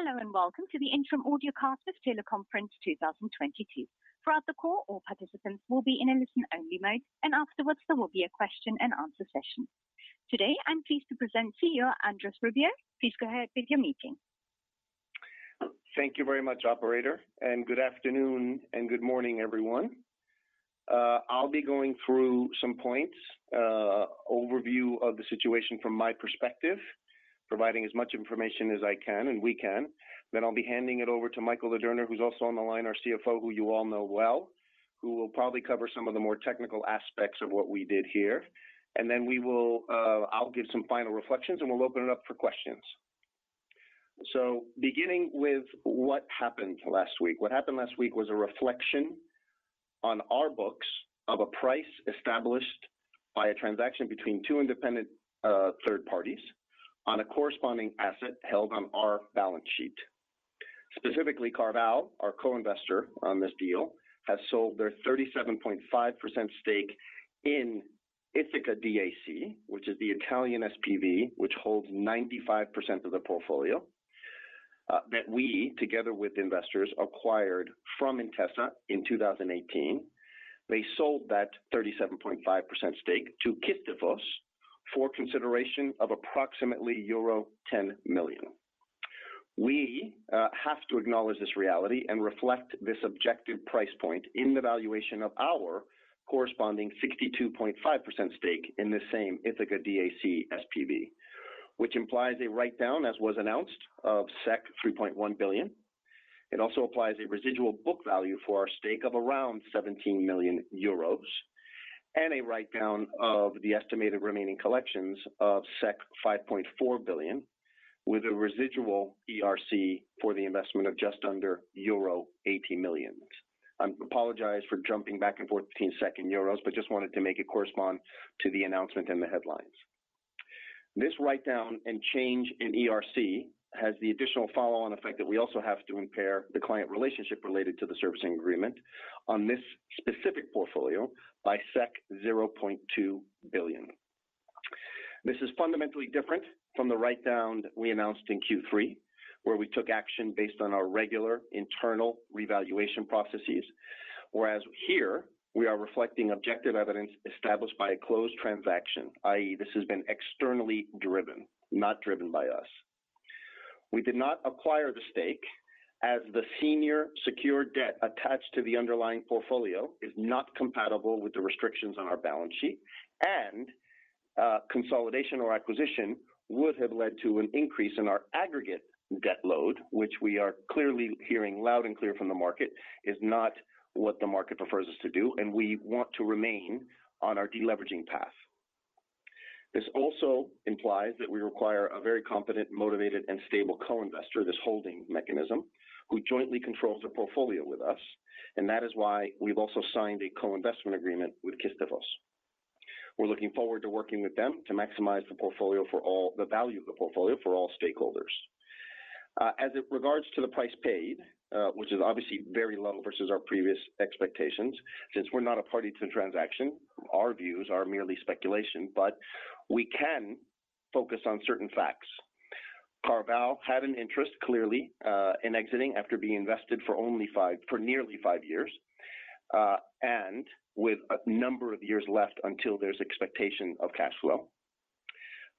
Hello, welcome to the Intrum audiocast of Teleconference 2022. Throughout the call, all participants will be in a listen-only mode, and afterwards there will be a question and answer session. Today, I'm pleased to present CEO, Andrés Rubio. Please go ahead with your meeting. Thank you very much, operator, and good afternoon and good morning, everyone. I'll be going through some points, overview of the situation from my perspective, providing as much information as I can and we can. Then I'll be handing it over to Michael Ladurner, who's also on the line, our CFO, who you all know well, who will probably cover some of the more technical aspects of what we did here. We will, I'll give some final reflections, and we'll open it up for questions. Beginning with what happened last week. What happened last week was a reflection on our books of a price established by a transaction between two independent, third parties on a corresponding asset held on our balance sheet. Specifically, CarVal, our co-investor on this deal, has sold their 37.5% stake in Ithaca DAC, which is the Italian SPV, which holds 95% of the portfolio that we, together with investors, acquired from Intesa in 2018. They sold that 37.5% stake to Kistefos for consideration of approximately euro 10 million. We have to acknowledge this reality and reflect this objective price point in the valuation of our corresponding 62.5% stake in the same Ithaca DAC SPV, which implies a write down, as was announced, of 3.1 billion. It also applies a residual book value for our stake of around 17 million euros and a write down of the estimated remaining collections of 5.4 billion, with a residual ERC for the investment of just under euro 80 million. I apologize for jumping back and forth between SEK and euros, just wanted to make it correspond to the announcement and the headlines. This write down and change in ERC has the additional follow on effect that we also have to impair the client relationship related to the servicing agreement on this specific portfolio by 0.2 billion. This is fundamentally different from the write down that we announced in Q3, where we took action based on our regular internal revaluation processes. Here we are reflecting objective evidence established by a closed transaction, i.e. This has been externally driven, not driven by us. We did not acquire the stake as the senior secured debt attached to the underlying portfolio is not compatible with the restrictions on our balance sheet, and consolidation or acquisition would have led to an increase in our aggregate debt load, which we are clearly hearing loud and clear from the market is not what the market prefers us to do, and we want to remain on our deleveraging path. This also implies that we require a very competent, motivated, and stable co-investor, this holding mechanism, who jointly controls the portfolio with us. That is why we've also signed a co-investment agreement with Kistefos. We're looking forward to working with them to maximize the portfolio for all the value of the portfolio for all stakeholders. As it regards to the price paid, which is obviously very low versus our previous expectations, since we're not a party to the transaction, our views are merely speculation, but we can focus on certain facts. CarVal had an interest, clearly, in exiting after being invested for nearly five years, and with a number of years left until there's expectation of cash flow.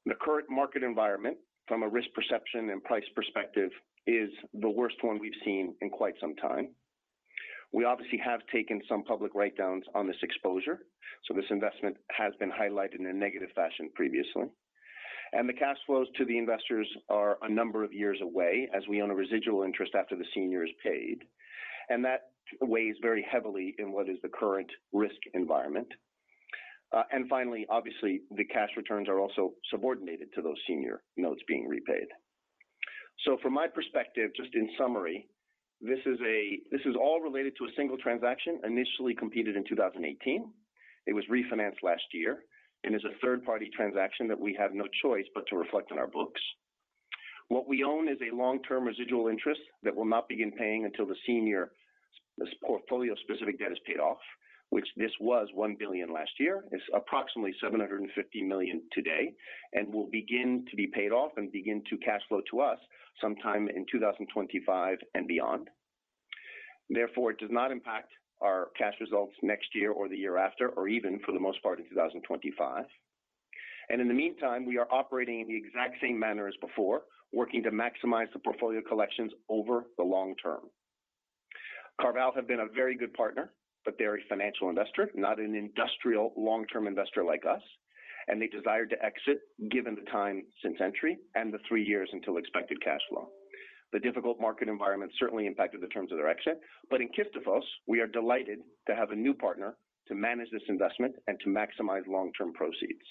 The current market environment from a risk perception and price perspective is the worst one we've seen in quite some time. We obviously have taken some public write downs on this exposure, so this investment has been highlighted in a negative fashion previously, and the cash flows to the investors are a number of years away as we own a residual interest after the senior is paid, and that weighs very heavily in what is the current risk environment. Finally, obviously, the cash returns are also subordinated to those senior notes being repaid. From my perspective, just in summary, this is all related to a single transaction initially completed in 2018. It was refinanced last year and is a third-party transaction that we have no choice but to reflect on our books. What we own is a long-term residual interest that will not begin paying until the senior portfolio specific debt is paid off, which this was 1 billion last year. It's approximately 750 million today and will begin to be paid off and begin to cash flow to us sometime in 2025 and beyond. It does not impact our cash results next year or the year after or even for the most part, in 2025. In the meantime, we are operating in the exact same manner as before, working to maximize the portfolio collections over the long term. CarVal have been a very good partner, but they're a financial investor, not an industrial long term investor like us, and they desired to exit, given the time since entry and the three years until expected cash flow. The difficult market environment certainly impacted the terms of their exit, but in Kistefos we are delighted to have a new partner to manage this investment and to maximize long term proceeds.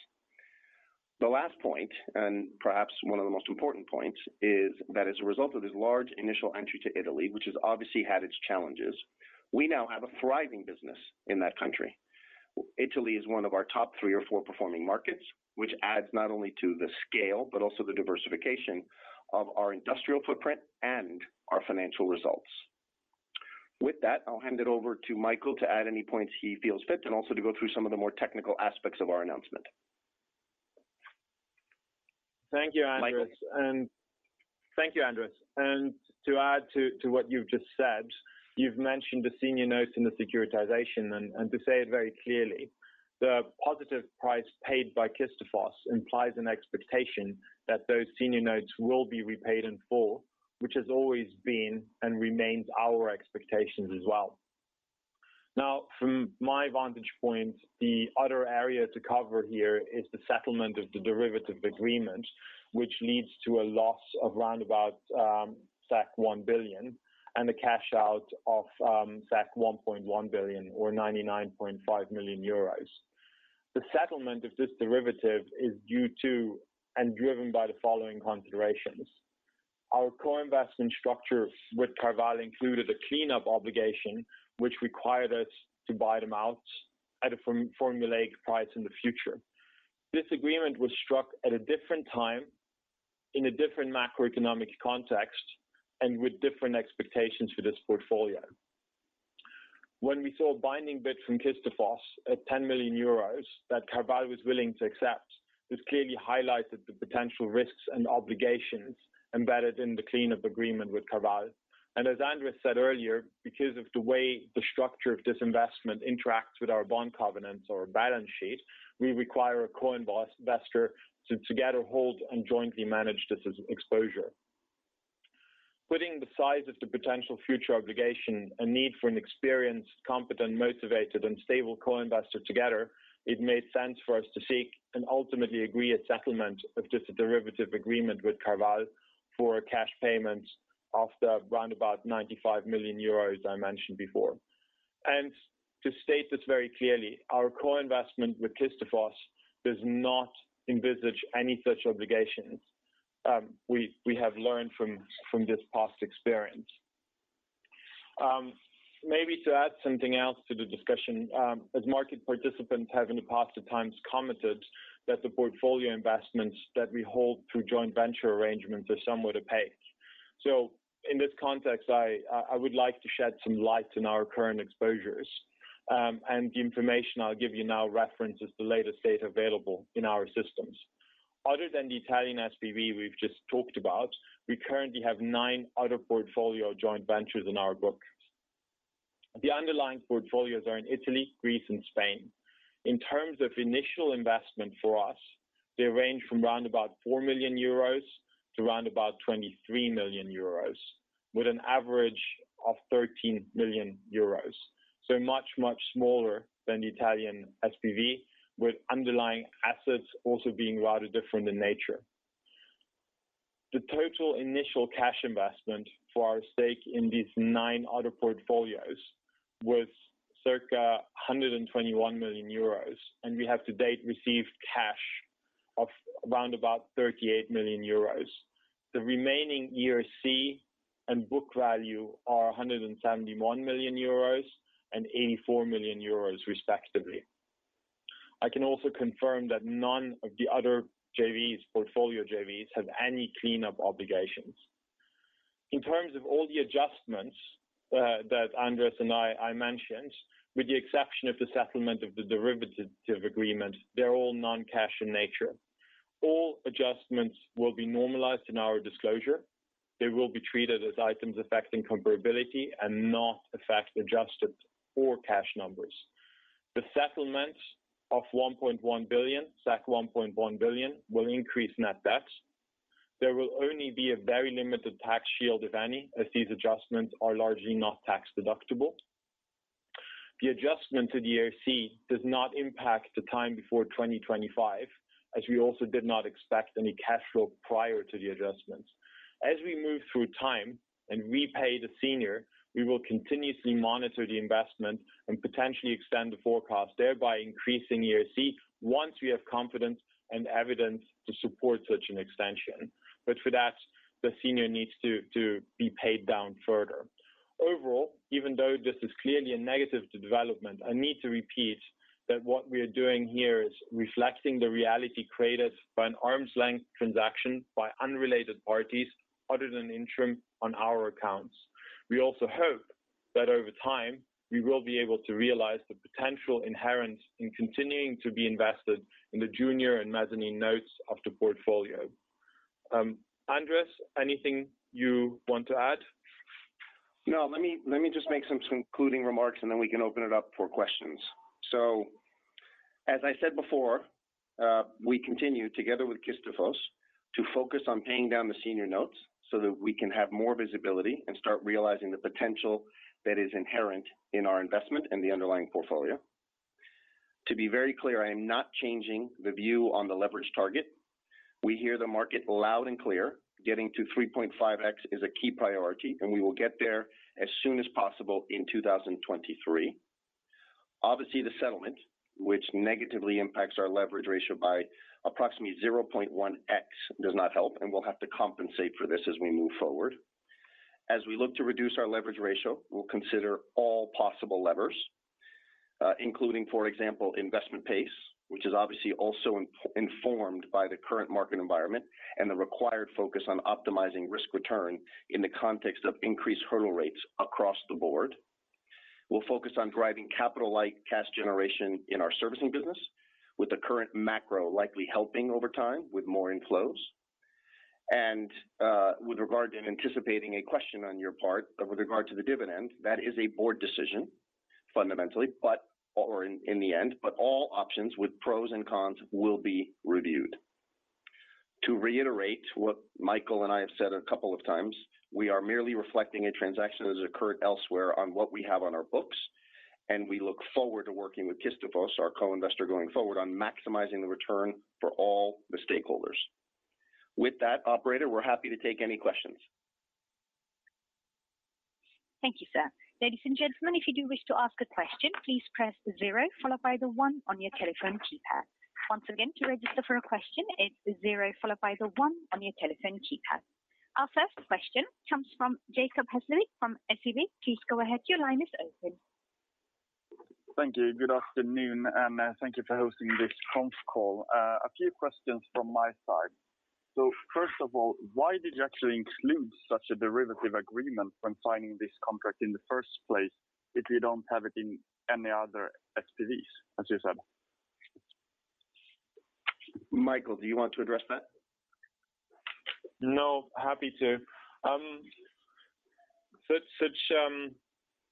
The last point, and perhaps one of the most important points, is that as a result of this large initial entry to Italy, which has obviously had its challenges, we now have a thriving business in that country. Italy is one of our top three or four performing markets, which adds not only to the scale but also the diversification of our industrial footprint and our financial results. With that, I'll hand it over to Michael to add any points he feels fit and also to go through some of the more technical aspects of our announcement. Thank you, Andrés. To add to what you've just said, you've mentioned the senior notes in the securitization. To say it very clearly, the positive price paid by Kistefos implies an expectation that those senior notes will be repaid in full, which has always been and remains our expectations as well. Now, from my vantage point, the other area to cover here is the settlement of the derivative agreement, which leads to a loss of round about 1 billion and a cash out of 1.1 billion or 99.5 million euros. The settlement of this derivative is due to and driven by the following considerations. Our co-investment structure with CarVal included a cleanup obligation, which required us to buy them out at a formulate price in the future. This agreement was struck at a different time, in a different macroeconomic context, and with different expectations for this portfolio. When we saw a binding bid from Kistefos at 10 million euros that CarVal was willing to accept, this clearly highlighted the potential risks and obligations embedded in the cleanup agreement with CarVal. As Andrés said earlier, because of the way the structure of this investment interacts with our bond covenants or balance sheet, we require a co-investor to together hold and jointly manage this as exposure. Putting the size of the potential future obligation, a need for an experienced, competent, motivated, and stable co-investor together, it made sense for us to seek and ultimately agree a settlement of just a derivative agreement with CarVal for a cash payment of the round about 95 million euros I mentioned before. To state this very clearly, our co-investment with Kistefos does not envisage any such obligations, we have learned from this past experience. Maybe to add something else to the discussion, as market participants have in the past at times commented that the portfolio investments that we hold through joint venture arrangements are somewhat opaque. In this context, I would like to shed some light on our current exposures. The information I'll give you now references the latest data available in our systems. Other than the Italian SPV we've just talked about, we currently have nine other portfolio joint ventures in our books. The underlying portfolios are in Italy, Greece, and Spain. In terms of initial investment for us, they range from round about 4 million euros to round about 23 million euros, with an average of 13 million euros. Much, much smaller than the Italian SPV, with underlying assets also being rather different in nature. The total initial cash investment for our stake in these nine other portfolios was circa 121 million euros, and we have to date received cash of around about 38 million euros. The remaining ERC and book value are 171 million euros and 84 million euros respectively. I can also confirm that none of the other JVs, portfolio JVs, have any cleanup obligations. In terms of all the adjustments that Andrés and I mentioned, with the exception of the settlement of the derivative agreement, they're all non-cash in nature. All adjustments will be normalized in our disclosure. They will be treated as items affecting comparability and not affect adjusted or cash numbers. The settlement of SAC 1.1 billion will increase net debts. There will only be a very limited tax shield, if any, as these adjustments are largely not tax-deductible. The adjustment to the ERC does not impact the time before 2025, as we also did not expect any cash flow prior to the adjustments. As we move through time and repay the senior, we will continuously monitor the investment and potentially extend the forecast, thereby increasing ERC once we have confidence and evidence to support such an extension. For that, the senior needs to be paid down further. Even though this is clearly a negative to development, I need to repeat that what we are doing here is reflecting the reality created by an arm's length transaction by unrelated parties other than Intrum on our accounts. We also hope that over time, we will be able to realize the potential inherent in continuing to be invested in the junior and mezzanine notes of the portfolio. Andrés, anything you want to add? Let me just make some concluding remarks, and then we can open it up for questions. As I said before, we continue together with Kistefos to focus on paying down the senior notes so that we can have more visibility and start realizing the potential that is inherent in our investment and the underlying portfolio. To be very clear, I am not changing the view on the leverage target. We hear the market loud and clear. Getting to 3.5x is a key priority, and we will get there as soon as possible in 2023. Obviously, the settlement, which negatively impacts our leverage ratio by approximately 0.1x, does not help, and we'll have to compensate for this as we move forward. As we look to reduce our leverage ratio, we'll consider all possible levers, including, for example, investment pace, which is obviously also in-informed by the current market environment and the required focus on optimizing risk return in the context of increased hurdle rates across the board. We'll focus on driving capital-like cash generation in our servicing business, with the current macro likely helping over time with more inflows. With regard to anticipating a question on your part with regard to the dividend, that is a board decision fundamentally, in the end. All options with pros and cons will be reviewed. To reiterate what Michael and I have said a couple of times, we are merely reflecting a transaction that has occurred elsewhere on what we have on our books, and we look forward to working with Kistefos, our co-investor, going forward on maximizing the return for all the stakeholders. With that, operator, we're happy to take any questions. Thank you, sir. Ladies and gentlemen, if you do wish to ask a question, please press zero followed by the one on your telephone keypad. Once again, to register for a question, it's zero followed by the one on your telephone keypad. Our first question comes from Jacob Hesslevik from SEB. Please go ahead. Your line is open. Thank you. Good afternoon, and thank you for hosting this conf call. A few questions from my side. First of all, why did you actually include such a derivative agreement when signing this contract in the first place if you don't have it in any other SPVs, as you said? Michael, do you want to address that? No, happy to. Such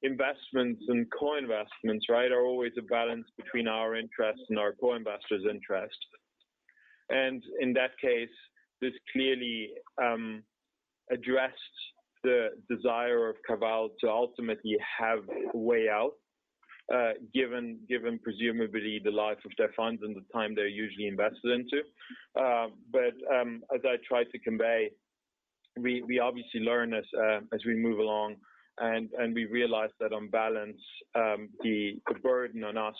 investments and co-investments, right, are always a balance between our interests and our co-investors' interests. In that case, this clearly addressed the desire of Cerberus to ultimately have a way out, given presumably the life of their funds and the time they're usually invested into. As I tried to convey, we obviously learn as we move along and we realized that on balance, the burden on us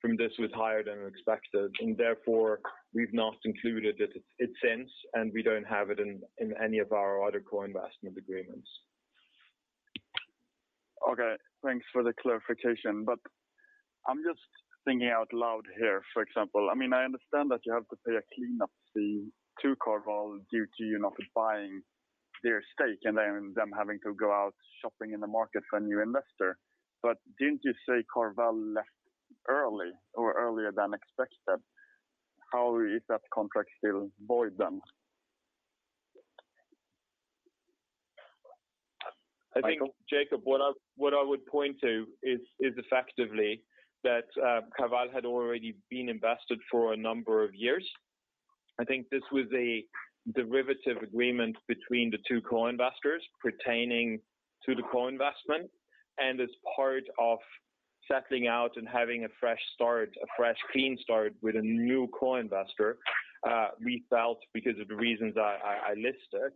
from this was higher than expected, therefore we've not included it since, and we don't have it in any of our other co-investment agreements. Okay, thanks for the clarification. I'm just thinking out loud here, for example. I mean, I understand that you have to pay a cleanup fee to Cerberus due to you not buying their stake and then them having to go out shopping in the market for a new investor. Didn't you say Cerberus left early or earlier than expected? How is that contract still void? I think, Jacob, what I would point to is effectively that Cerberus had already been invested for a number of years. I think this was a derivative agreement between the two co-investors pertaining to the co-investment. As part of settling out and having a fresh start, a fresh clean start with a new co-investor, we felt because of the reasons I listed,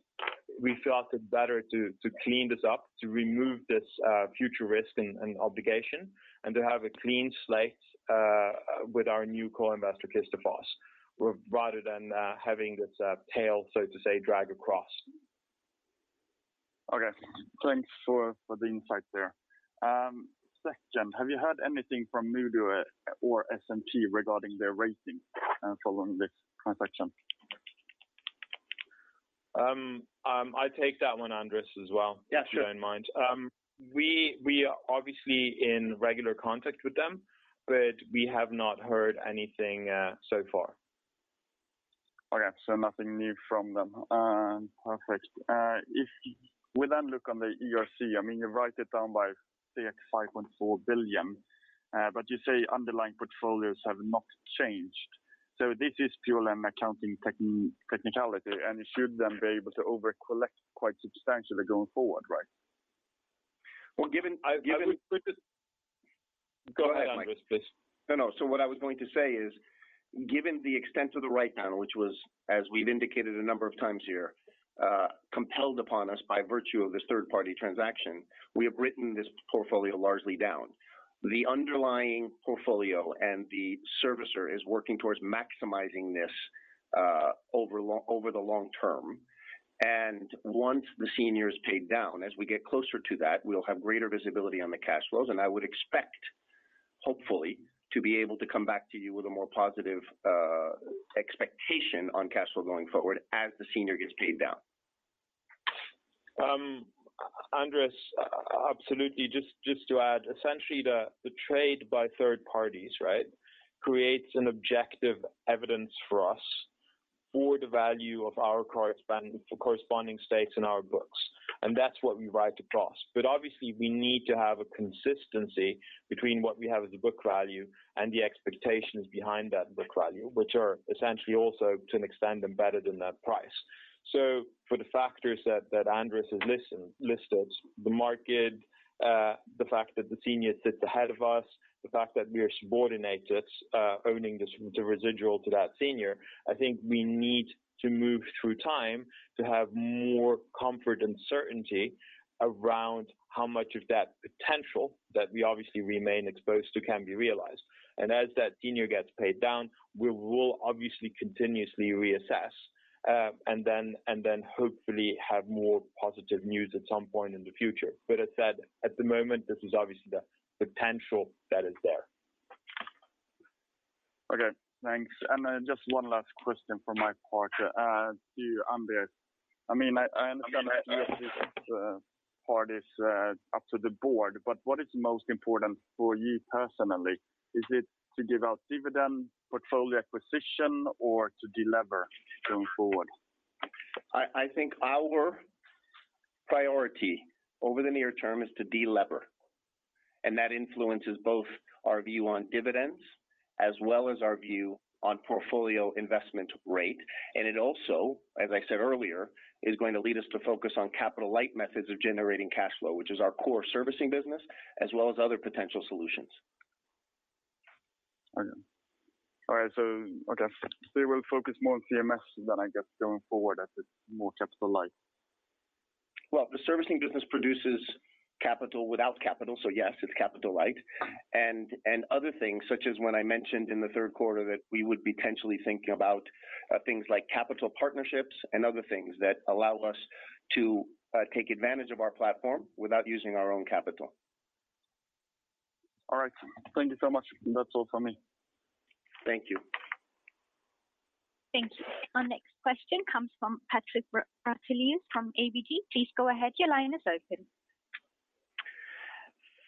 we felt it better to clean this up, to remove this future risk and obligation, and to have a clean slate with our new co-investor, Kistefos, rather than having this tail, so to say, drag across. Okay. Thanks for the insight there. Second, have you heard anything from Moody's or S&P regarding their rating, following this transaction? I'll take that one, Andrés, as well. Yeah, sure. If you don't mind. We are obviously in regular contact with them, but we have not heard anything so far. Okay. Nothing new from them. Perfect. If we then look on the ERC, I mean, you write it down by 6.4 billion, you say underlying portfolios have not changed. This is purely an accounting technicality, you should then be able to over collect quite substantially going forward, right? Well, given I would Go ahead, Andrés, please. No, no. What I was going to say is, given the extent of the write-down, which was, as we've indicated a number of times here, compelled upon us by virtue of this third-party transaction, we have written this portfolio largely down. The underlying portfolio and the servicer is working towards maximizing this, over long, over the long term. Once the senior is paid down, as we get closer to that, we'll have greater visibility on the cash flows, and I would expect, hopefully, to be able to come back to you with a more positive, expectation on cash flow going forward as the senior gets paid down. Andrés, absolutely. Just to add, essentially, the trade by third parties, right, creates an objective evidence for us for the value of our corresponding stakes in our books, and that's what we write across. Obviously, we need to have a consistency between what we have as a book value and the expectations behind that book value, which are essentially also to an extent embedded in that price. For the factors that Andrés has listed, the market, the fact that the senior sits ahead of us, the fact that we are subordinates, owning this, the residual to that senior, I think we need to move through time to have more comfort and certainty around how much of that potential that we obviously remain exposed to can be realized. As that senior gets paid down, we will obviously continuously reassess, and then, and then hopefully have more positive news at some point in the future. As said, at the moment, this is obviously the potential that is there. Okay, thanks. Just one last question from my part to you, Andrés. I mean, I understand that part is up to the board, but what is most important for you personally? Is it to give out dividend portfolio acquisition or to delever going forward? I think our priority over the near term is to delever. That influences both our view on dividends as well as our view on portfolio investment rate. It also, as I said earlier, is going to lead us to focus on capital light methods of generating cash flow, which is our core servicing business, as well as other potential solutions. Okay. All right, I guess we will focus more on CMS then I guess going forward as it's more capital light. The servicing business produces capital without capital, so yes, it's capital light. Other things, such as when I mentioned in the third quarter that we would be potentially thinking about things like capital partnerships and other things that allow us to take advantage of our platform without using our own capital. All right. Thank you so much. That's all from me. Thank you. Thank you. Our next question comes from Patrik Brattelius from ABG. Please go ahead. Your line is open.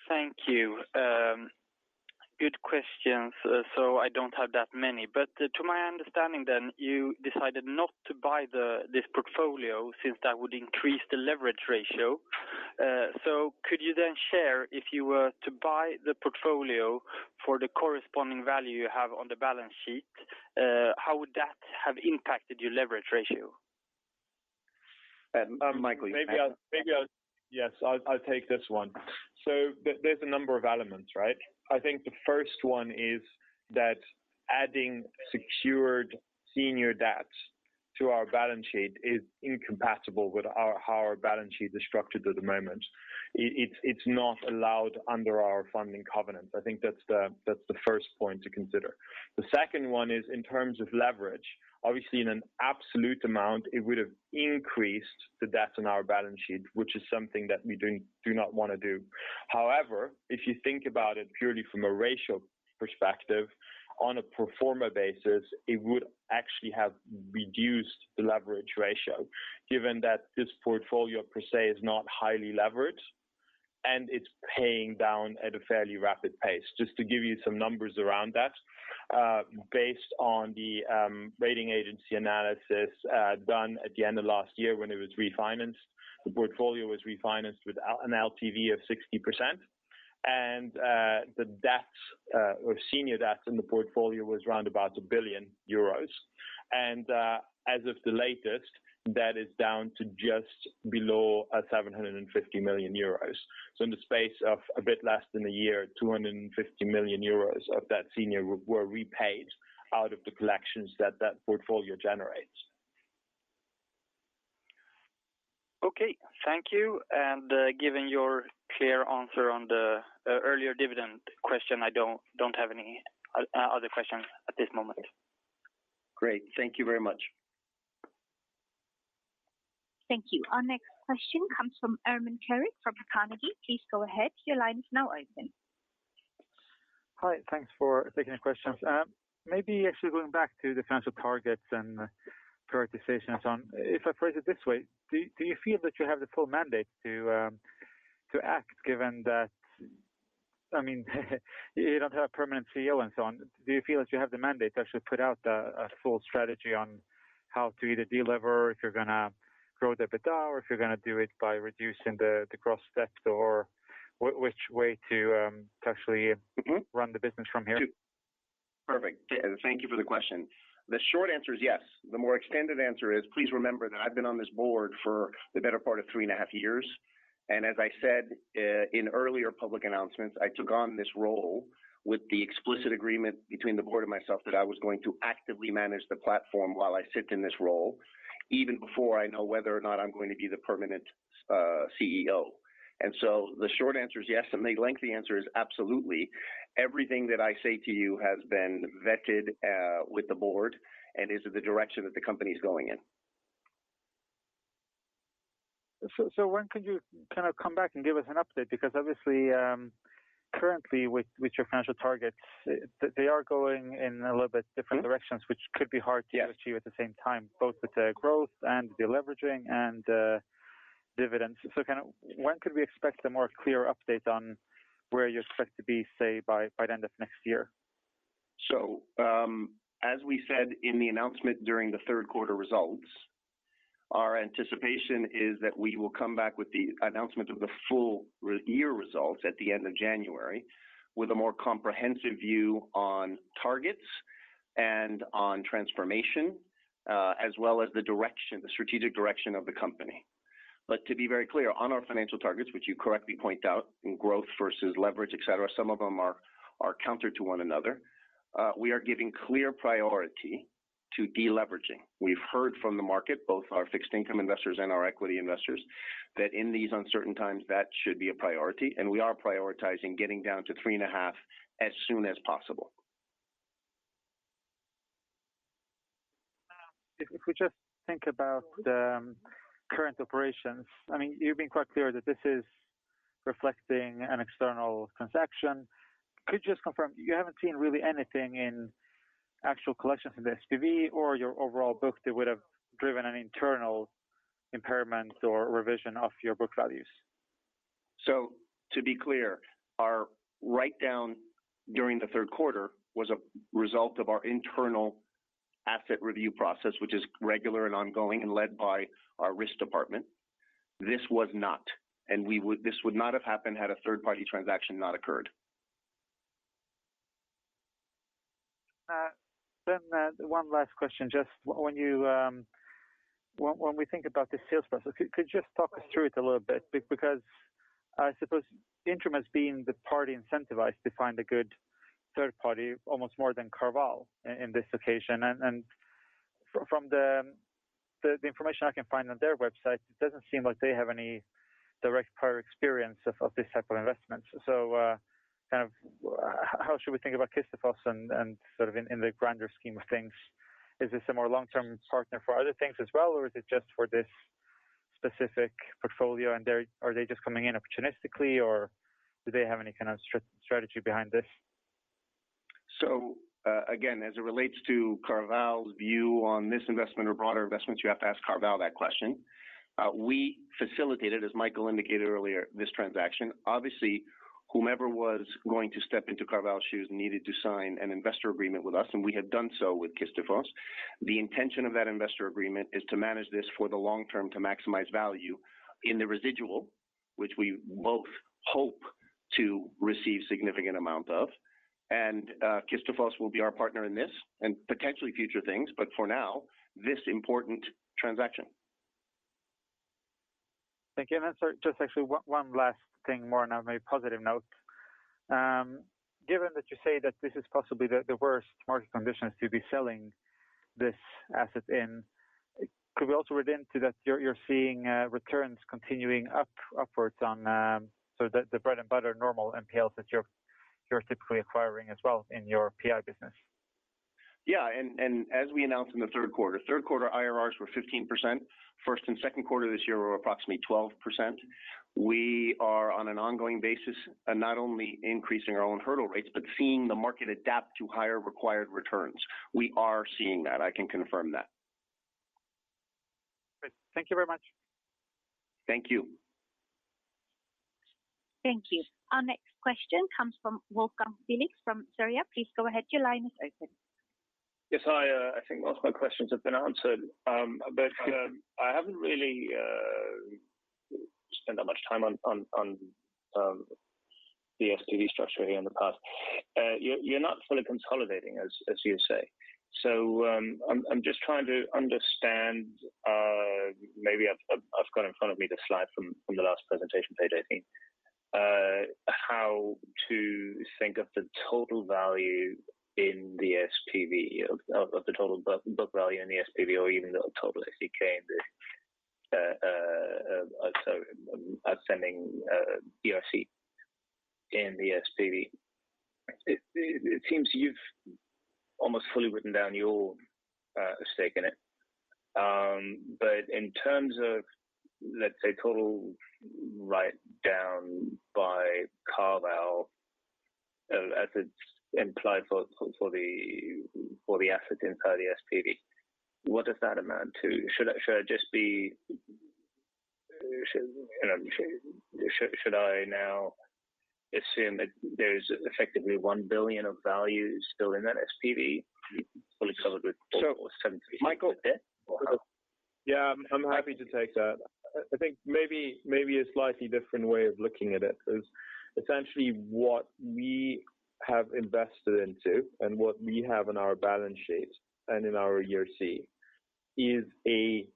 Thank you. Good questions. I don't have that many. To my understanding then, you decided not to buy the, this portfolio since that would increase the leverage ratio. Could you then share, if you were to buy the portfolio for the corresponding value you have on the balance sheet, how would that have impacted your leverage ratio? Michael. Maybe I'll... Yes, I'll take this one. There, there's a number of elements, right? I think the first one is that adding secured senior debts to our balance sheet is incompatible with our, how our balance sheet is structured at the moment. It's not allowed under our funding covenants. I think that's the first point to consider. The second one is in terms of leverage, obviously in an absolute amount, it would have increased the debt on our balance sheet, which is something that we do not wanna do. However, if you think about it purely from a ratio perspective, on a pro forma basis, it would actually have reduced the leverage ratio, given that this portfolio per se is not highly leveraged, and it's paying down at a fairly rapid pace. Just to give you some numbers around that, based on the rating agency analysis, done at the end of last year when it was refinanced, the portfolio was refinanced with an LTV of 60%. The debts, or senior debts in the portfolio was around about 1 billion euros. As of the latest, that is down to just below 750 million euros. In the space of a bit less than a year, 250 million euros of that senior were repaid out of the collections that portfolio generates. Okay. Thank you. Given your clear answer on the earlier dividend question, I don't have any other questions at this moment. Great. Thank you very much. Thank you. Our next question comes from Ermin Keric from Carnegie. Please go ahead. Your line is now open. Hi. Thanks for taking the questions. Actually going back to the financial targets and prioritization and so on. If I phrase it this way, do you feel that you have the full mandate to act given that... I mean, you don't have permanent CEO and so on? Do you feel that you have the mandate to actually put out the, a full strategy on how to either delever if you're gonna grow the EBITDA, or if you're gonna do it by reducing the cross sector? Or which way to actually? Mm-hmm. Run the business from here? Perfect. Yeah. Thank you for the question. The short answer is yes. The more extended answer is, please remember that I've been on this board for the better part of three and a half years. As I said, in earlier public announcements, I took on this role with the explicit agreement between the board and myself that I was going to actively manage the platform while I sit in this role, even before I know whether or not I'm going to be the permanent CEO. The short answer is yes, and the lengthy answer is absolutely. Everything that I say to you has been vetted with the board and is the direction that the company is going in. When could you kind of come back and give us an update? Because obviously, currently with your financial targets, they are going in a little bit different directions, which could be hard to achieve at the same time, both with the growth and the leveraging and dividends. Kind of when could we expect a more clear update on where you expect to be, say by the end of next year? As we said in the announcement during the third quarter results, our anticipation is that we will come back with the announcement of the full year results at the end of January, with a more comprehensive view on targets and on transformation, as well as the direction, the strategic direction of the company. To be very clear, on our financial targets, which you correctly point out in growth versus leverage, et cetera, some of them are counter to one another. We are giving clear priority to deleveraging. We've heard from the market, both our fixed income investors and our equity investors, that in these uncertain times that should be a priority, and we are prioritizing getting down to 3.5 as soon as possible. If we just think about the current operations, I mean, you've been quite clear that this is reflecting an external transaction. Could you just confirm you haven't seen really anything in actual collections in the SPV or your overall book that would have driven an internal impairment or revision of your book values? To be clear, our write down during the third quarter was a result of our internal asset review process, which is regular and ongoing and led by our risk department. This would not have happened had a third party transaction not occurred. One last question. Just when you, when we think about this sales process, could you just talk us through it a little bit? Because I suppose Intrum has been the party incentivized to find a good third party almost more than CarVal in this occasion. From the information I can find on their website, it doesn't seem like they have any direct prior experience of this type of investment. Kind of how should we think about Kistefos and sort of in the grander scheme of things, is this a more long-term partner for other things as well, or is it just for this specific portfolio and are they just coming in opportunistically or do they have any kind of strategy behind this? Again, as it relates to CarVal's view on this investment or broader investments, you have to ask CarVal that question. We facilitated, as Michael indicated earlier, this transaction. Obviously, whomever was going to step into CarVal's shoes needed to sign an investor agreement with us, and we have done so with Kistefos. The intention of that investor agreement is to manage this for the long term to maximize value in the residual which we both hope to receive significant amount of. Kistefos will be our partner in this and potentially future things. For now, this important transaction. Thank you. Just actually one last thing, more on a very positive note. Given that you say that this is possibly the worst market conditions to be selling this asset in, could we also read into that you're seeing returns continuing upwards on, so the bread and butter normal NPLs that you're typically acquiring as well in your PI business? Yeah. As we announced in the third quarter, third quarter IRRs were 15%. First and second quarter this year were approximately 12%. We are on an ongoing basis, not only increasing our own hurdle rates, but seeing the market adapt to higher required returns. We are seeing that. I can confirm that. Great. Thank you very much. Thank you. Thank you. Our next question comes from Wolfgang Felix from Sarria. Please go ahead. Your line is open. Yes. Hi, I think most of my questions have been answered. But, I haven't really spent that much time on the SPV structure here in the past. You're not fully consolidating as you say. I'm just trying to understand, maybe I've got in front of me the slide from the last presentation page, I think. How to think of the total value in the SPV of the total book value in the SPV or even the total FCK, the outstanding ERC in the SPV. It seems you've almost fully written down your stake in it. In terms of, let's say, total write down by CarVal as it's implied for the assets inside the SPV, what does that amount to? Should, you know, should I now assume that there's effectively 1 billion of value still in that SPV fully covered with? So Michael- How? Yeah, I'm happy to take that. I think maybe a slightly different way of looking at it is essentially what we have invested into and what we have in our balance sheet and in our ERC is a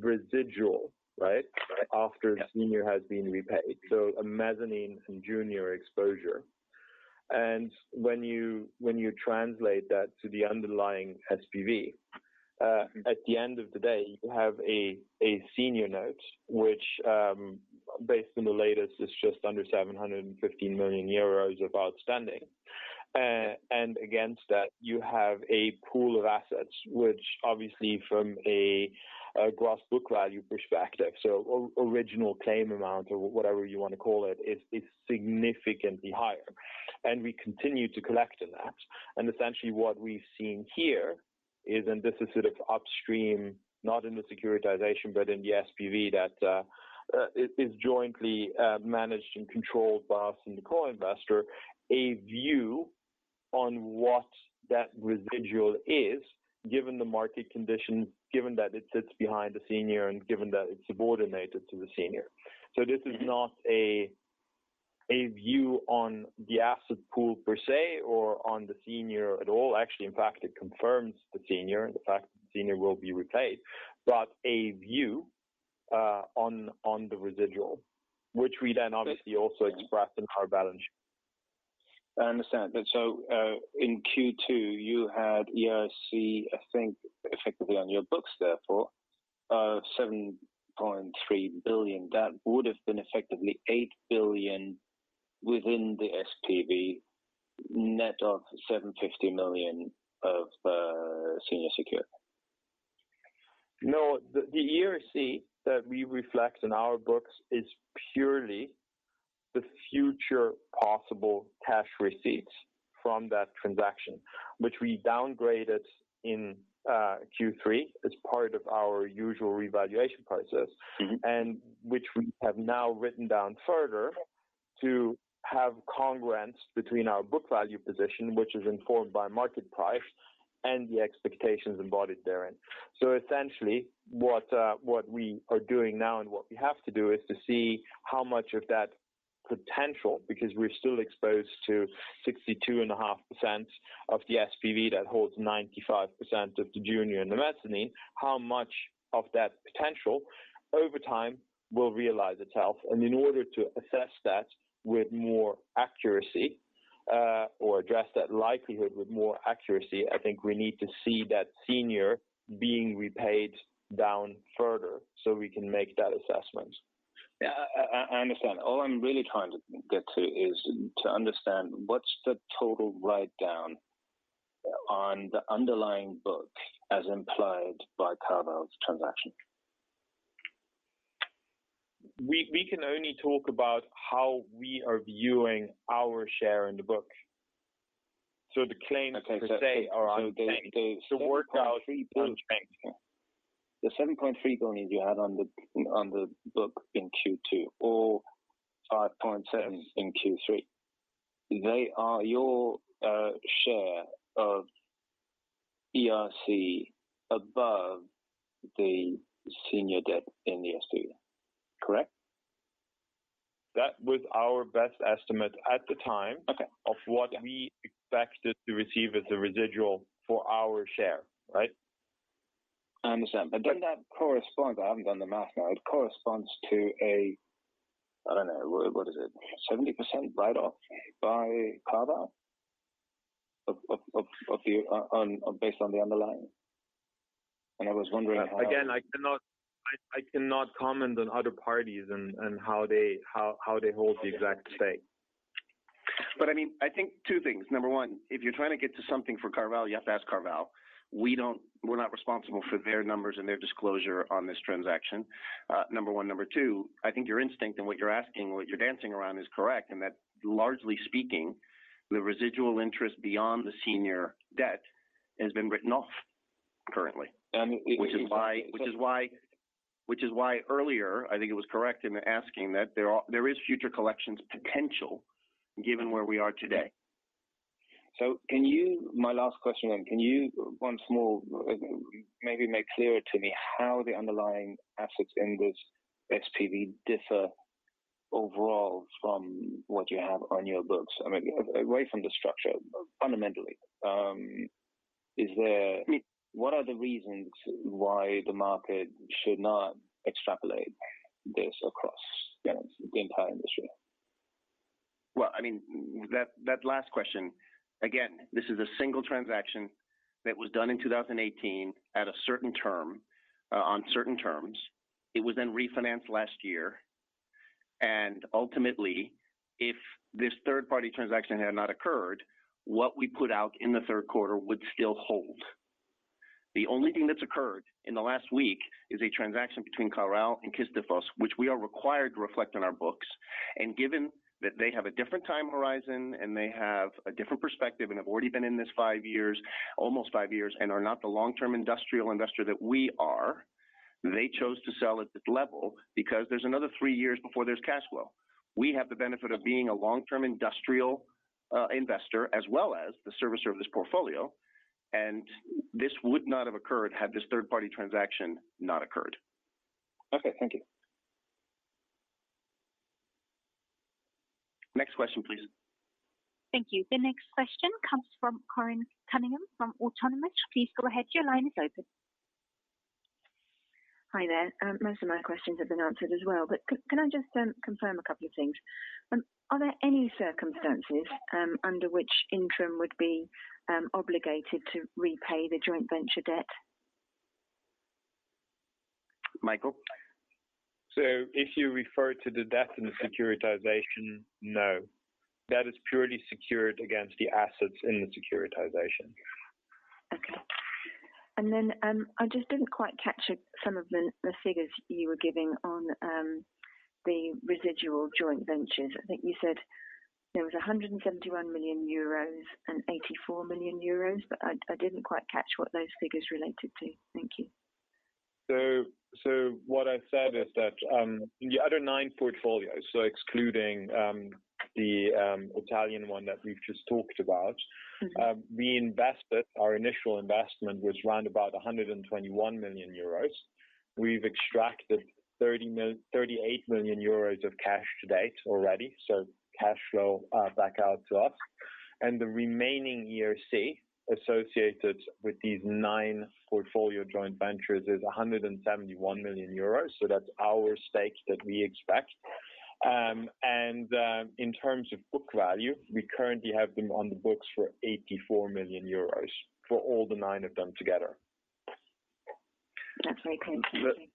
residual, right? Right. After senior has been repaid. A mezzanine and junior exposure. When you translate that to the underlying SPV, at the end of the day you have a senior note which, based on the latest is just under 715 million euros of outstanding. Against that you have a pool of assets which obviously from a gross book value perspective, so original claim amount or whatever you want to call it, is significantly higher. We continue to collect on that. Essentially what we've seen here is and this is sort of upstream, not in the securitization but in the SPV that is jointly managed and controlled by us and the co-investor, a view on what that residual is given the market condition, given that it sits behind the senior and given that it's subordinated to the senior. This is not a view on the asset pool per se or on the senior at all. Actually, in fact it confirms the senior and the fact that the senior will be repaid, but a view on the residual which we then obviously also express in our balance sheet. I understand. In Q2 you had ERC I think effectively on your books therefore, 7.3 billion, that would have been effectively 8 billion within the SPV net of 750 million of senior secure. The ERC that we reflect in our books is purely the future possible cash receipts from that transaction, which we downgraded in Q3 as part of our usual revaluation process. Mm-hmm. Which we have now written down further to have congruence between our book value position, which is informed by market price and the expectations embodied therein. Essentially what we are doing now and what we have to do is to see how much of that potential, because we're still exposed to 62.5% of the SPV that holds 95% of the junior and the mezzanine. How much of that potential over time will realize itself? In order to assess that with more accuracy, or address that likelihood with more accuracy, I think we need to see that senior being repaid down further so we can make that assessment. Yeah. I understand. All I'm really trying to get to is to understand what's the total write down on the underlying book as implied by CarVal's transaction. We can only talk about how we are viewing our share in the book. Okay. per se are unbanked. The. The workout- 7.3 billion.-unbanked. The 7.3 billion you had on the book in Q2 or 5.7 billion in Q3, they are your share of ERC above the senior debt in the SPV, correct? That was our best estimate at the time. Okay. Of what we expected to receive as a residual for our share. Right? I understand. Doesn't that correspond, I haven't done the math now, it corresponds to a, I don't know, what is it, 70% write off by CarVal of the, on, based on the underlying. I was wondering how- I cannot comment on other parties and how they hold the exact stake. I mean, I think two things. Number one, if you're trying to get to something for CarVal, you have to ask CarVal. We're not responsible for their numbers and their disclosure on this transaction, number one. Number two, I think your instinct and what you're asking, what you're dancing around is correct, and that largely speaking, the residual interest beyond the senior debt has been written off currently. It seems like. Which is why earlier, I think it was correct in asking that there is future collections potential given where we are today. My last question then. Can you once more maybe make clearer to me how the underlying assets in this SPV differ overall from what you have on your books? I mean, away from the structure fundamentally. What are the reasons why the market should not extrapolate this across, you know, the entire industry? I mean, that last question, again, this is a single transaction that was done in 2018 at a certain term, on certain terms. It was refinanced last year. Ultimately, if this third party transaction had not occurred, what we put out in the third quarter would still hold. The only thing that's occurred in the last week is a transaction between CarVal and Kistefos, which we are required to reflect on our books. Given that they have a different time horizon and they have a different perspective, and have already been in this five years, almost five years, and are not the long-term industrial investor that we are, they chose to sell at this level because there's another three years before there's cash flow. We have the benefit of being a long-term industrial, investor as well as the servicer of this portfolio, and this would not have occurred had this third party transaction not occurred. Okay. Thank you. Next question, please. Thank you. The next question comes from Corinne Cunningham from Autonomous. Please go ahead. Your line is open. Hi there. Most of my questions have been answered as well, can I just confirm a couple of things? Are there any circumstances under which Intrum would be obligated to repay the joint venture debt? Michael. If you refer to the debt in the securitization, no. That is purely secured against the assets in the securitization. Okay. I just didn't quite catch some of the figures you were giving on the residual joint ventures. I think you said there was 171 million euros and 84 million euros, but I didn't quite catch what those figures related to. Thank you. What I said is that, the other nine portfolios, so excluding, the Italian one that we've just talked about. Mm-hmm. Our initial investment was around about 121 million euros. We've extracted 38 million euros of cash to date already. Cash flow back out to us. The remaining ERC associated with these nine portfolio joint ventures is 171 million euros. That's our stake that we expect. In terms of book value, we currently have them on the books for 84 million euros for all the nine of them together. That's very clear. Thank you.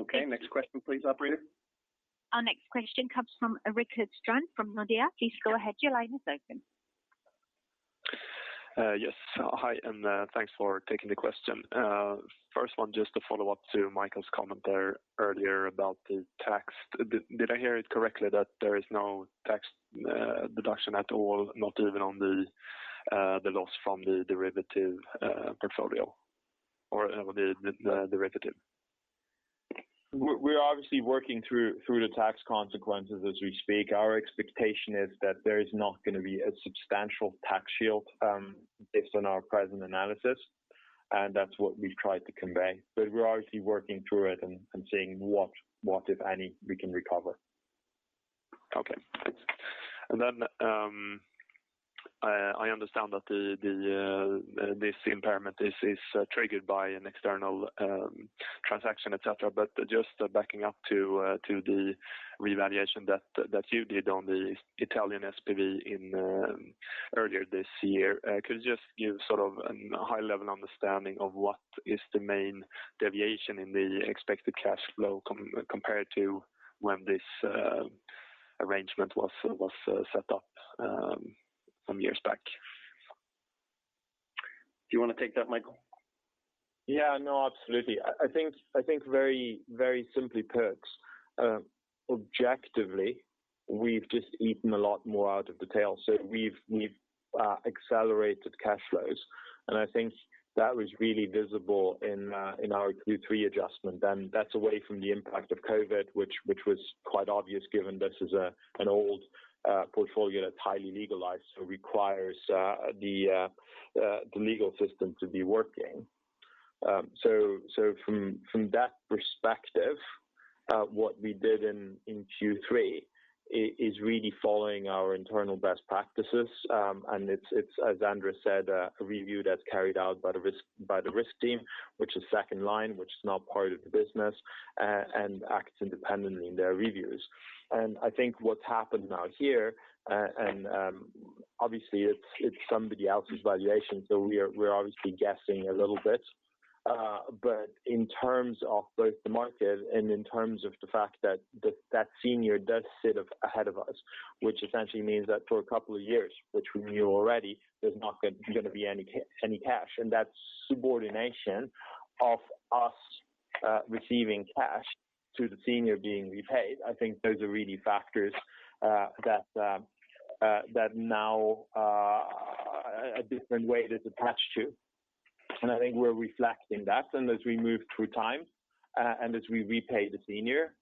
Okay. Next question, please, operator. Our next question comes from Rickard Strand from Nordea. Please go ahead. Your line is open. Yes. Hi, and thanks for taking the question. First one, just to follow up to Michael's comment there earlier about the tax. Did I hear it correctly that there is no tax deduction at all, not even on the loss from the derivative portfolio or the derivative? We're obviously working through the tax consequences as we speak. Our expectation is that there is not gonna be a substantial tax shield, based on our present analysis, and that's what we've tried to convey. We're obviously working through it and seeing what, if any, we can recover. Okay. Thanks. I understand that this impairment is triggered by an external transaction, et cetera. Backing up to the revaluation that you did on the Italian SPV in earlier this year, could you just give sort of a high-level understanding of what is the main deviation in the expected cash flow compared to when this arrangement was set up some years back? Do you wanna take that, Michael? Yeah, no, absolutely. I think very, very simply, Perks, objectively, we've just eaten a lot more out of the tail, so we've accelerated cash flows. I think that was really visible in our Q3 adjustment, and that's away from the impact of COVID, which was quite obvious given this is an old portfolio that's highly legalized, so requires the legal system to be working. So from that perspective, what we did in Q3 is really following our internal best practices. And it's as Andrés said, a review that's carried out by the risk team, which is second line, which is not part of the business, and acts independently in their reviews. I think what's happened now here, and obviously it's somebody else's valuation, so we're obviously guessing a little bit. In terms of both the market and in terms of the fact that senior does sit ahead of us, which essentially means that for a couple of years, which we knew already, there's not going to be any cash. That subordination of us receiving cash to the senior being repaid, I think those are really factors that now a different weight is attached to. I think we're reflecting that. As we move through time, and as we repay the senior,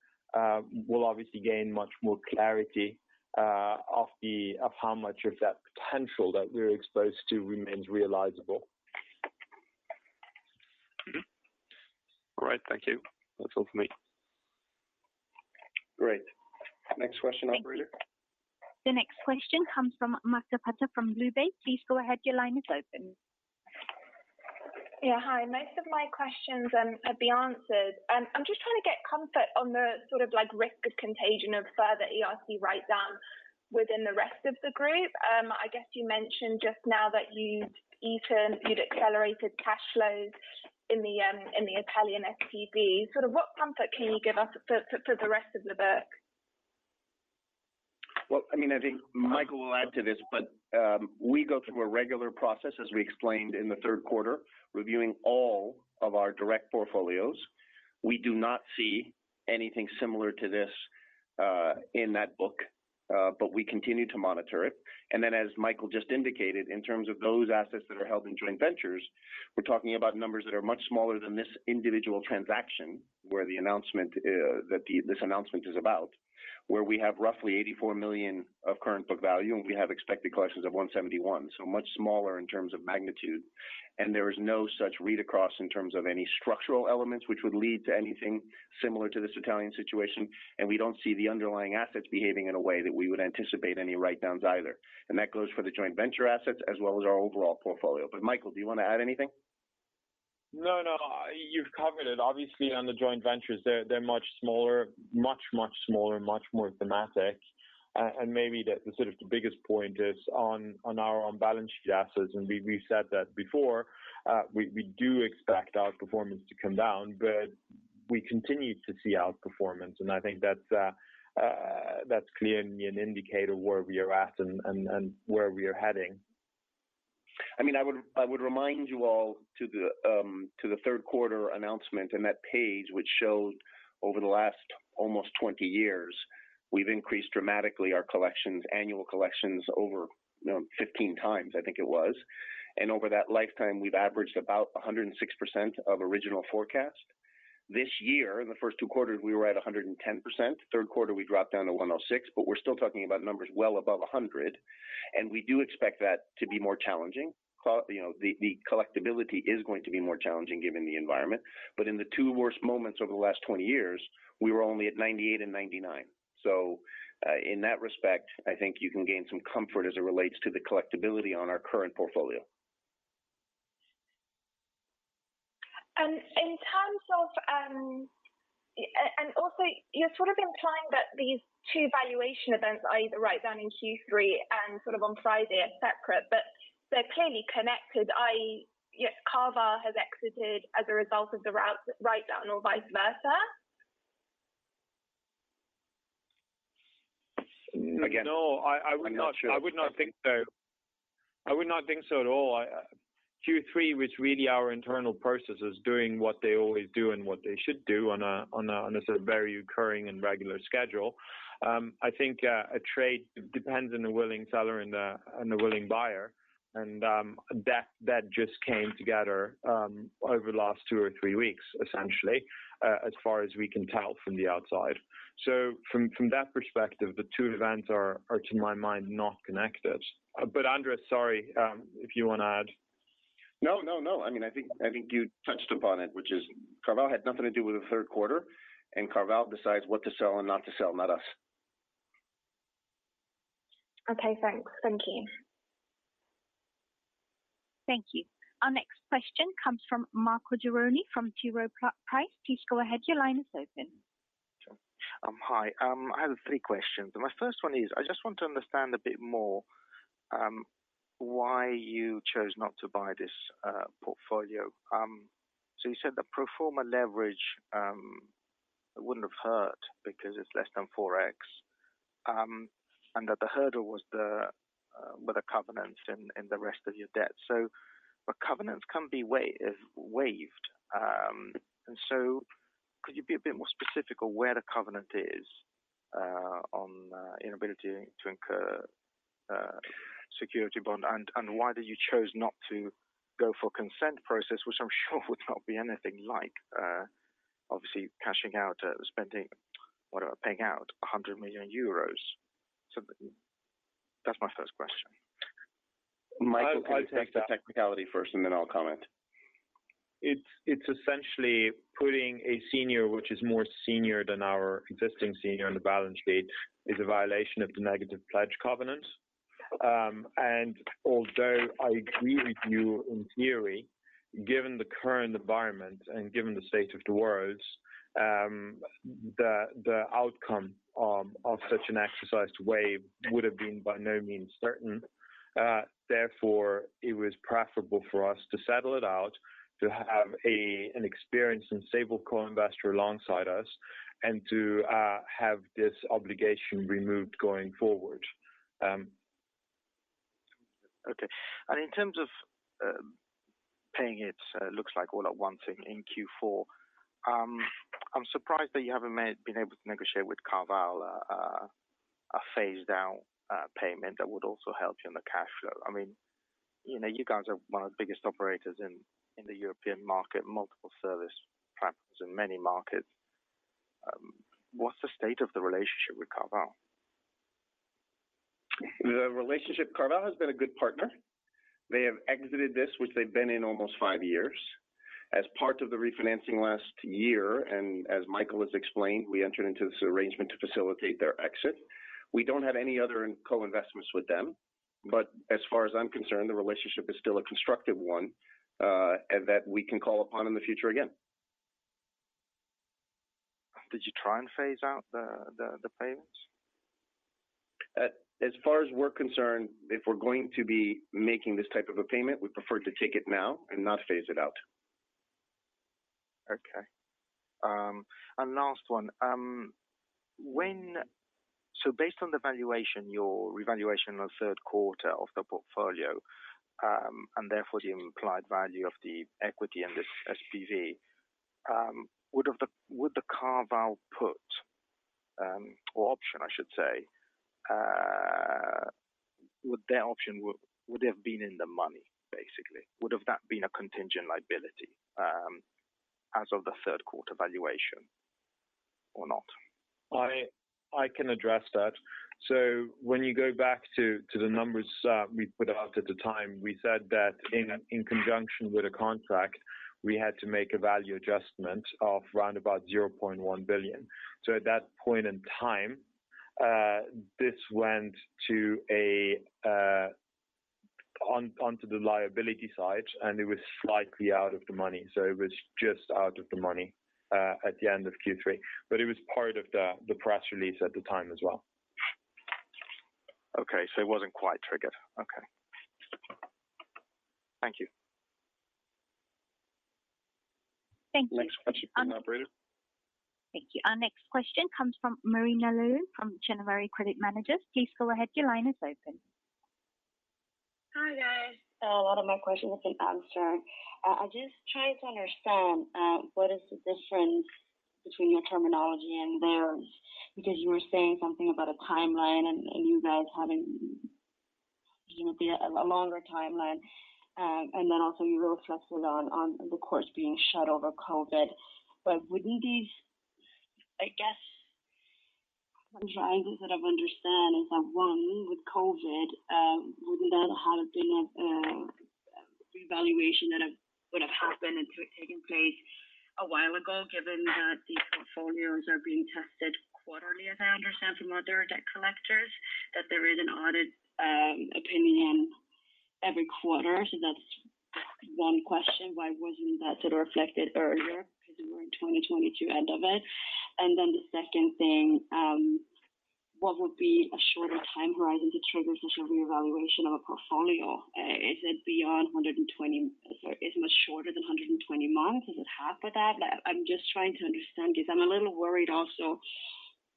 we'll obviously gain much more clarity of how much of that potential that we're exposed to remains realizable. Mm-hmm. All right. Thank you. That's all for me. Great. Next question, operator. The next question comes from Martha Reyes from BlueBay. Please go ahead. Your line is open. Yeah. Hi. Most of my questions have been answered. I'm just trying to get comfort on the sort of like risk of contagion of further ERC write down within the rest of the group. I guess you mentioned just now that you'd accelerated cash flows in the Italian SPV. Sort of what comfort can you give us for the rest of the book? I mean, I think Michael will add to this, but, we go through a regular process as we explained in the third quarter, reviewing all of our direct portfolios. We do not see anything similar to this in that book, but we continue to monitor it. As Michael just indicated, in terms of those assets that are held in joint ventures, we're talking about numbers that are much smaller than this individual transaction where this announcement is about, where we have roughly 84 million of current book value, and we have expected collections of 171, so much smaller in terms of magnitude. There is no such read across in terms of any structural elements which would lead to anything similar to this Italian situation. We don't see the underlying assets behaving in a way that we would anticipate any write downs either. That goes for the joint venture assets as well as our overall portfolio. Michael, do you wanna add anything? No, no, you've covered it. Obviously, on the joint ventures they're much smaller, much smaller, much more thematic. Maybe the sort of the biggest point is on our on-balance sheet assets, we've said that before, we do expect outperformance to come down, but we continue to see outperformance. I think that's clearly an indicator where we are at and where we are heading. I mean, I would remind you all to the third quarter announcement and that page which showed over the last almost 20 years, we've increased dramatically our collections, annual collections over, you know, 15x, I think it was. Over that lifetime, we've averaged about 106% of original forecast. This year, the first two quarters we were at 110%. Third quarter, we dropped down to 106, but we're still talking about numbers well above 100, and we do expect that to be more challenging. You know, the collectibility is going to be more challenging given the environment. In the two worst moments over the last 20 years, we were only at 98 and 99. In that respect, I think you can gain some comfort as it relates to the collectibility on our current portfolio. In terms of, also you're sort of implying that these two valuation events are either write down in Q3 and sort of on Friday are separate, but they're clearly connected, i.e. yes CarVal has exited as a result of the write down or vice versa. Again, I'm not sure. No, I would not think so. I would not think so at all. I, Q3 was really our internal processes doing what they always do and what they should do on a sort of very recurring and regular schedule. I think a trade depends on the willing seller and a willing buyer and that just came together over the last two or three weeks, essentially, as far as we can tell from the outside. From that perspective, the two events are to my mind, not connected. Andrés, sorry, if you wanna add. No, no. I mean, I think, I think you touched upon it, which is CarVal had nothing to do with the third quarter. CarVal decides what to sell and not to sell, not us. Okay, thanks. Thank you. Thank you. Our next question comes from Marco Gironi from T. Rowe Price. Please go ahead. Your line is open. Hi. I have three questions, and my first one is, I just want to understand a bit more why you chose not to buy this portfolio. You said the pro forma leverage wouldn't have hurt because it's less than 4x, and that the hurdle was the covenants and the rest of your debt. Covenants can be waived. Could you be a bit more specific on where the covenant is on inability to incur security bond and why that you chose not to go for consent process, which I'm sure would not be anything like obviously cashing out spending or paying out 100 million euros. That's my first question. Michael, can you take the technicality first, and then I'll comment. It's essentially putting a senior which is more senior than our existing senior on the balance sheet is a violation of the negative pledge covenant. Although I agree with you in theory, given the current environment and given the state of the world, the outcome of such an exercise to waive would have been by no means certain. Therefore, it was preferable for us to settle it out, to have an experience and stable co-investor alongside us and to have this obligation removed going forward. Okay. In terms of paying it, looks like all at once in Q4. I'm surprised that you haven't been able to negotiate with CarVal a phased out payment that would also help you in the cash flow. I mean, you know, you guys are one of the biggest operators in the European market, multiple service platforms in many markets. What's the state of the relationship with CarVal? The relationship, CarVal has been a good partner. They have exited this, which they've been in almost five years. As part of the refinancing last year, and as Michael has explained, we entered into this arrangement to facilitate their exit. We don't have any other co-investments with them, but as far as I'm concerned, the relationship is still a constructive one, and that we can call upon in the future again. Did you try and phase out the payments? As far as we're concerned, if we're going to be making this type of a payment, we prefer to take it now and not phase it out. Okay. Last one. Based on the valuation, your revaluation of third quarter of the portfolio, and therefore the implied value of the equity and the SPV, would the CarVal put, or option I should say, would their option have been in the money basically? Would have that been a contingent liability as of the third quarter valuation or not? I can address that. When you go back to the numbers, we put out at the time, we said that in conjunction with a contract, we had to make a value adjustment of round about 0.1 billion. At that point in time, this went onto the liability side and it was slightly out of the money, so it was just out of the money at the end of Q3. It was part of the press release at the time as well. Okay. It wasn't quite triggered. Okay. Thank you. Thank you. Next question. Operator. Thank you. Our next question comes from Marina Lu from [January Credit Manager]. Please go ahead. Your line is open. Hi, guys. A lot of my question has been answered. I'm just trying to understand what is the difference between your terminology and theirs. You were saying something about a timeline and you guys having, you know, a longer timeline. And then also you were stressing on the course being shut over COVID. I guess I'm trying to sort of understand is that, one, with COVID, wouldn't that have been a revaluation that would have happened and taken place? A while ago, given that the portfolios are being tested quarterly, as I understand from other debt collectors, that there is an audit opinion every quarter. That's one question. Why wasn't that sort of reflected earlier? We're in 2022 end of it. The second thing, what would be a shorter time horizon to trigger such a reevaluation of a portfolio? Is it much shorter than 120 months? Is it half of that? I'm just trying to understand this. I'm a little worried also,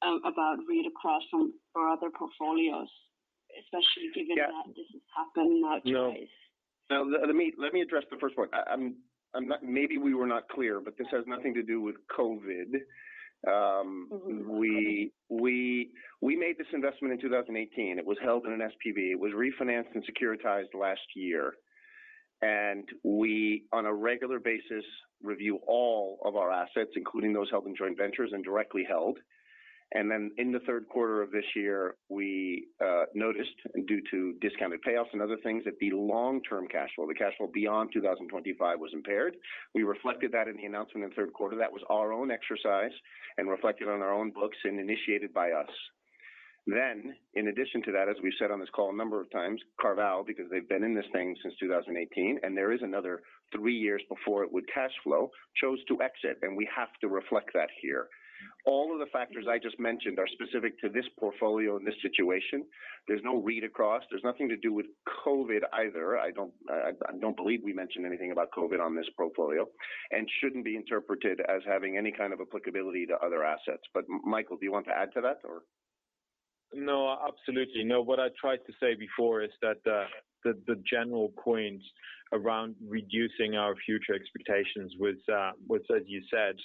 about read-across on our other portfolios, especially given that this is happening nowadays. No. Let me address the first point. I'm not Maybe we were not clear, but this has nothing to do with COVID. Mm-hmm. We made this investment in 2018. It was held in an SPV. It was refinanced and securitized last year. We, on a regular basis, review all of our assets, including those held in joint ventures and directly held. In the third quarter of this year, we noticed due to discounted payoffs and other things, that the long-term cash flow, the cash flow beyond 2025 was impaired. We reflected that in the announcement in the third quarter. That was our own exercise and reflected on our own books and initiated by us. In addition to that, as we've said on this call a number of times, CarVal, because they've been in this thing since 2018, and there is another three years before it would cash flow, chose to exit, and we have to reflect that here. All of the factors I just mentioned are specific to this portfolio and this situation. There's no read-across. There's nothing to do with COVID either. I don't believe we mentioned anything about COVID on this portfolio and shouldn't be interpreted as having any kind of applicability to other assets. Michael, do you want to add to that or? No, absolutely. No. What I tried to say before is that the general points around reducing our future expectations was, as you said,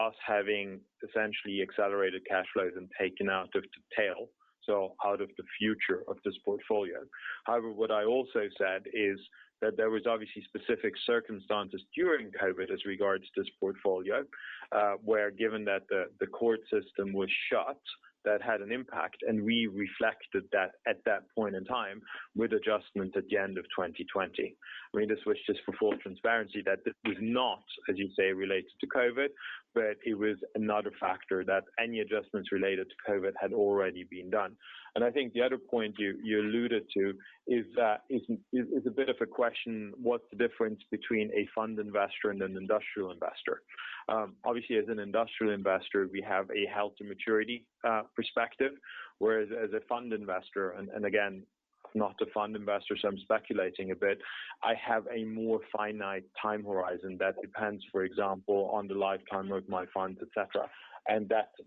us having essentially accelerated cash flows and taken out of the tail, so out of the future of this portfolio. However, what I also said is that there was obviously specific circumstances during COVID as regards this portfolio, where given that the court system was shut, that had an impact, and we reflected that at that point in time with adjustment at the end of 2020. I mean this was just for full transparency that this was not, as you say, related to COVID, but it was another factor that any adjustments related to COVID had already been done. I think the other point you alluded to is that, is a bit of a question, what's the difference between a fund investor and an industrial investor? Obviously, as an industrial investor, we have a held-to-maturity perspective, whereas as a fund investor, and again, not a fund investor, so I'm speculating a bit, I have a more finite time horizon that depends, for example, on the lifetime of my funds, et cetera.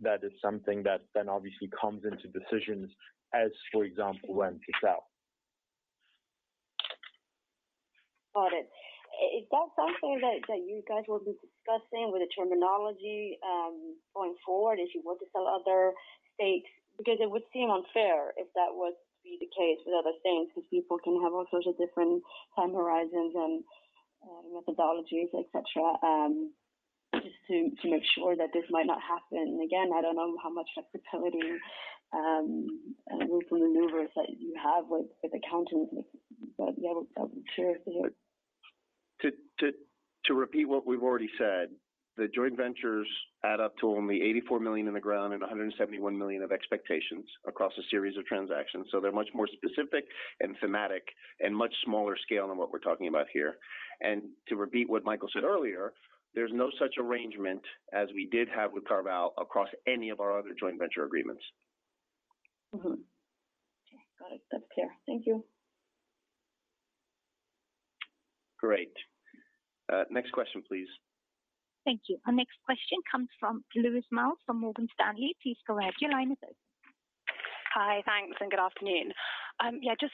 That is something that then obviously comes into decisions as, for example, when to sell. Got it. Is that something that you guys will be discussing with the terminology, going forward as you work with some other states? Because it would seem unfair if that was to be the case with other states, because people can have all sorts of different time horizons and methodologies, et cetera, just to make sure that this might not happen. Again, I don't know how much flexibility, room to maneuvers that you have with accountants, but yeah, I would share it with you. To repeat what we've already said, the joint ventures add up to only 84 million in the ground and 171 million of expectations across a series of transactions. They're much more specific and thematic and much smaller scale than what we're talking about here. To repeat what Michael said earlier, there's no such arrangement as we did have with CarVal across any of our other joint venture agreements. Mm-hmm. Okay. Got it. That's clear. Thank you. Great. Next question, please. Thank you. Our next question comes from Louise Miles from Morgan Stanley. Please go ahead. Your line is open. Hi. Thanks, good afternoon. Yeah, just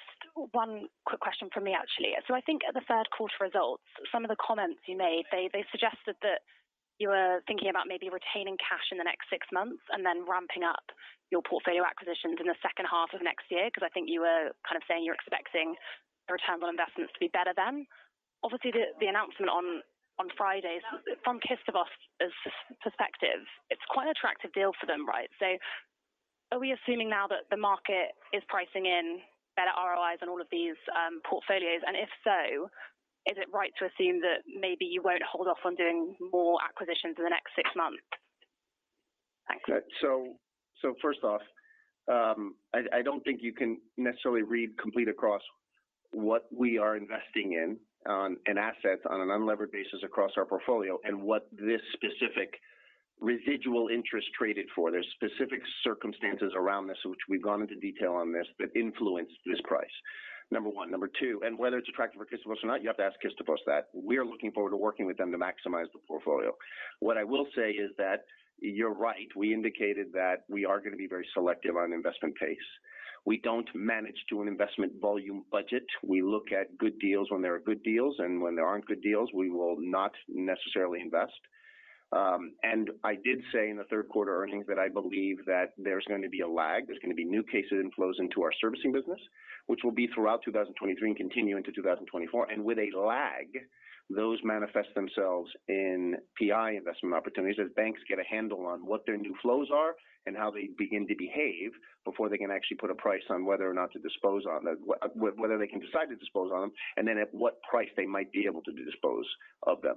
one quick question from me, actually. I think at the third quarter results, some of the comments you made, they suggested that you were thinking about maybe retaining cash in the next six months and then ramping up your portfolio acquisitions in the second half of next year. I think you were kind of saying you're expecting the return on investments to be better then. Obviously, the announcement on friday from Kistefos's perspective, it's quite an attractive deal for them, right? Are we assuming now that the market is pricing in better ROIs on all of these portfolios? If so, is it right to assume that maybe you won't hold off on doing more acquisitions in the next six months? Thanks. First off, I don't think you can necessarily read complete across what we are investing in on an asset on an unlevered basis across our portfolio and what this specific residual interest traded for. There are specific circumstances around this, which we've gone into detail on this, that influenced this price, number one. Number two, whether it's attractive for Kistefos or not, you have to ask Kistefos that. We're looking forward to working with them to maximize the portfolio. What I will say is that you're right. We indicated that we are gonna be very selective on investment pace. We don't manage to an investment volume budget. We look at good deals when there are good deals, when there aren't good deals, we will not necessarily invest. I did say in the third quarter earnings that I believe that there's gonna be a lag. There's gonna be new case inflows into our servicing business, which will be throughout 2023 and continue into 2024. With a lag, those manifest themselves in PI investment opportunities as banks get a handle on what their new flows are and how they begin to behave before they can actually put a price on whether or not to dispose on them, whether they can decide to dispose on them, and then at what price they might be able to dispose of them.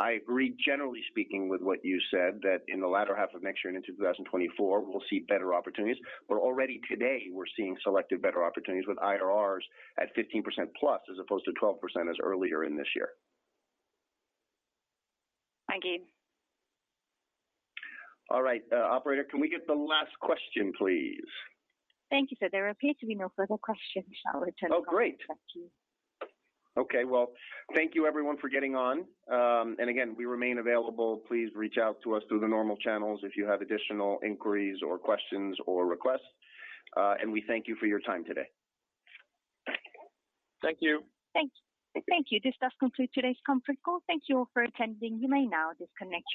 I agree, generally speaking, with what you said, that in the latter half of next year and into 2024, we'll see better opportunities. Already today, we're seeing selective better opportunities with IRRs at 15%+ as opposed to 12% as earlier in this year. Thank you. All right. Operator, can we get the last question, please? Thank you, sir. There appears to be no further questions. I'll return the call back to you. Oh, great. Okay. Well, thank you everyone for getting on. Again, we remain available. Please reach out to us through the normal channels if you have additional inquiries or questions or requests. We thank you for your time today. Thank you. Thank you. This does conclude today's conference call. Thank you all for attending. You may now disconnect your lines.